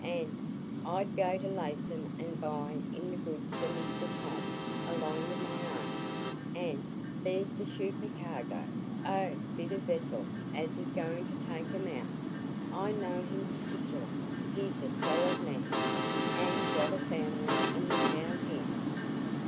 An' I'd go to Laceham an' buy in the goods for Mr Tom along wi' my own. An' there's the shupercargo o' the bit of a vessel as is goin' to take 'em out. I know him partic'lar; he's a solid man, an' got a family i' the town here.